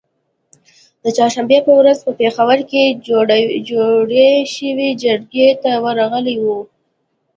د چهارشنبې په ورځ په پیښور کې جوړی شوې جرګې ته ورغلي وو